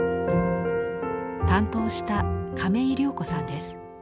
担当した亀井亮子さんです。